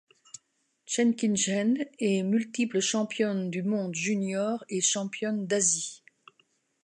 Chen Qingchen est multiple championne du monde junior et championne d'Asie.